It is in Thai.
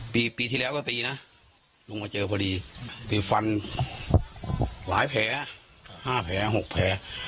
ปีที่แล้วก็ตีนะลุงมาเจอพอดีตีฟันหลายแผล๕แผล๖แผล